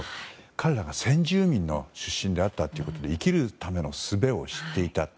彼らが先住民の出身だったということで生きるためのすべを知っていたと。